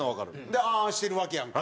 で「あん」してるわけやんか。